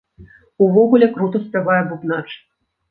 Увогуле крута спявае бубнач!